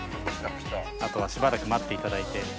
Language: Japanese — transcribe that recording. あとはしばらく待っていただいて。